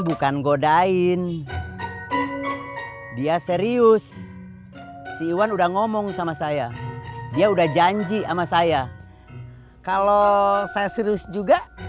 bukan godain dia serius si iwan udah ngomong sama saya dia udah janji sama saya kalau saya serius juga